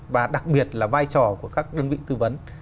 và đặc biệt là vai trò của các đơn vị tư vấn